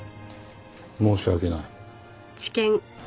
申し訳ない。